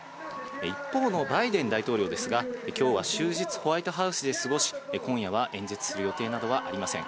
一方のバイデン大統領ですが、今日は終日、ホワイトハウスで過ごし、今夜は演説する予定などはありません。